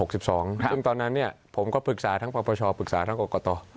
ซึ่งตอนนั้นเนี่ยผมก็ปรึกษาทั้งภาคประชาปรึกษาทั้งกรกต